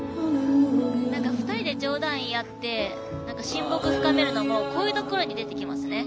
２人で冗談言い合って親睦深めるのもこういうところに出てきますね。